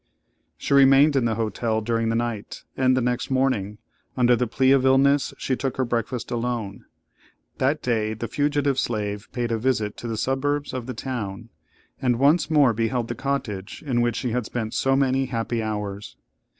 She remained in the hotel during the night, and the next morning, under the plea of illness, she took her breakfast alone. That day the fugitive slave paid a visit to the suburbs of the town, and once more beheld the cottage in which she had spent so many happy hours.